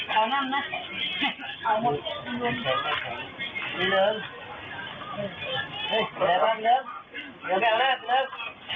แกล้ว